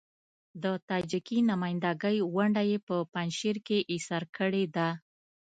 د تاجکي نمايندګۍ ونډه يې په پنجشیر کې اېسار کړې ده.